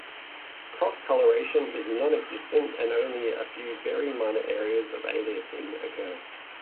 Cross coloration is non-existent and only a few very minor areas of aliasing occur.